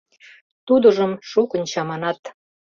Тудыжым шукын чаманат.